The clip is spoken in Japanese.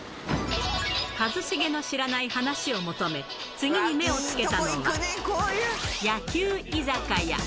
一茂の知らない話を求め、次に目をつけたのは、野球居酒屋。